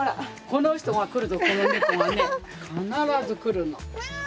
この人が来るとこのネコがね必ず来るの。